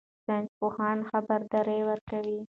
ساینس پوهان خبرداری ورکوي.